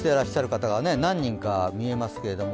方が何人か見えますけれども。